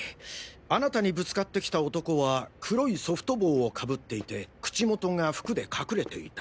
あなたにぶつかってきた男は黒いソフト帽をかぶっていて口元が服で隠れていた。